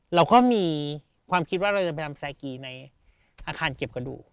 เราก็มีความคิดว่าเราจะไปทำแซกีในอาคารเก็บกระดูก